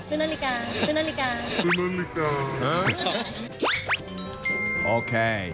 ซื้อนาฬิกา